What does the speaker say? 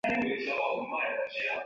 格拉蒂尼。